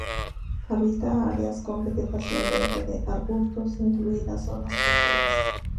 Habita áreas con vegetación densa de arbustos, incluidas zonas costeras.